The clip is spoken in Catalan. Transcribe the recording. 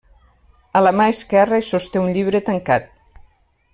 A la mà esquerra hi sosté un llibre tancat.